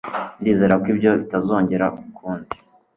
ndizera ko ibyo bitazongera ukundi